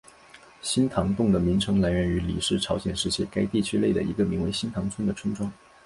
新堂洞的名称来源于李氏朝鲜时期该地区内的一个名为新堂村的村庄。